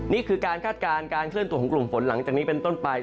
นี่คือการคาดการณ์การเคลื่อนตัวของกลุ่มฝนหลังจากนี้เป็นต้นไป